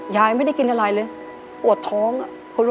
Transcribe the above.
ใครเด็ก